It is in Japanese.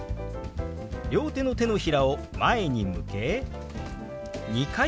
両手の手のひらを前に向け２回動かします。